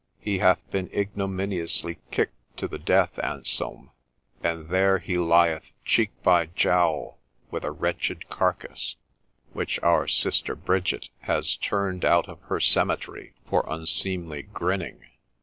He hath been ignominiously kicked to the death, Anselm ; and there he lieth cheek by jowl with a wretched carcass, which our sister Bridget has turned out of her cemetery for unseemly grinning.